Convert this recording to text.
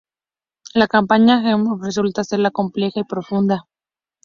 La campaña Alien resulta ser la más compleja y profunda.